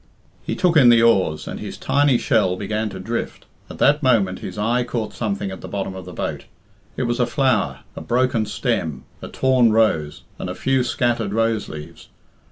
He took in the oars, and his tiny shell began to drift At that moment his eye caught something at the bottom of the boat. It was a flower, a broken stem, a torn rose, and a few scattered rose leaves.